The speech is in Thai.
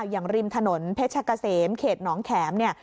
ริมถนนเพชรกะเสมเขตหนองแขมเนี่ย